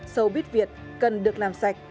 sâu bít việt cần được làm sạch